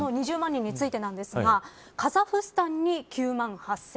人についてなんですがカザフスタンに９万８０００人